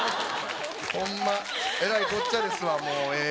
ホンマえらいこっちゃですわええ